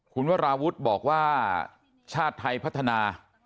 คุณวราวุฒิบอกว่าชาติไทยพัฒนา